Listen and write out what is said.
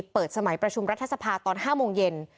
เปิดสมัยประชุมรัฐสภาตอน๕โมงเย็น